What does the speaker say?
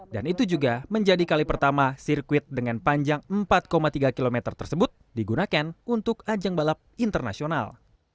dan itu juga menjadi kali pertama sirkuit dengan panjang empat tiga km tersebut digunakan untuk ajang balap internasional